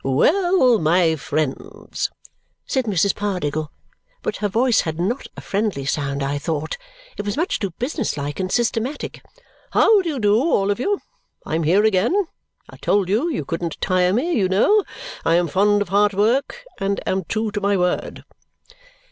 "Well, my friends," said Mrs. Pardiggle, but her voice had not a friendly sound, I thought; it was much too business like and systematic. "How do you do, all of you? I am here again. I told you, you couldn't tire me, you know. I am fond of hard work, and am true to my word."